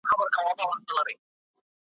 په هر پوځ کي برتۍ سوي یو پلټن یو .